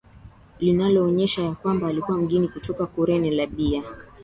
linaonyesha ya kwamba alikuwa mgeni kutoka Kurene Libia